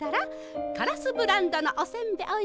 カラスブランドのおせんべいおいしい。